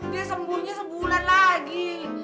dia sembuhnya sebulan lagi